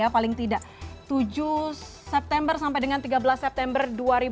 paling tidak tujuh september sampai dengan tiga belas september dua ribu dua puluh